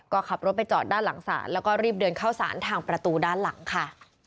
ก็ขับรถไปจอดด้านหลังศาลแล้วก็รีบเดินเข้าสารทางประตูด้านหลังค่ะ